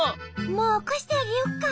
もうおこしてあげよっか？